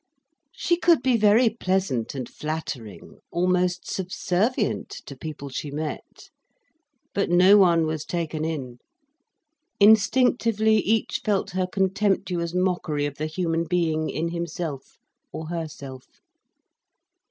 She could be very pleasant and flattering, almost subservient, to people she met. But no one was taken in. Instinctively each felt her contemptuous mockery of the human being in himself, or herself.